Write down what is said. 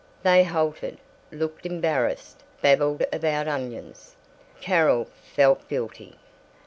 They halted, looked embarrassed, babbled about onions. Carol felt guilty.